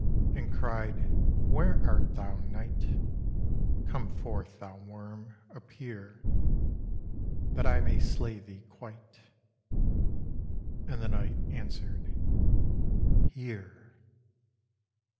And cried, 'Where art thou, Night? Come forth, thou Worm; appear, That I may slay thee quite.' And the Night answered, 'Here.